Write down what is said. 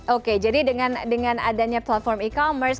oke jadi dengan adanya platform e commerce